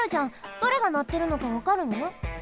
どれがなってるのかわかるの？